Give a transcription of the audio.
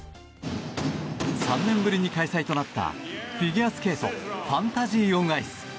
３年ぶりに開催となったフィギュアスケートファンタジー・オン・アイス。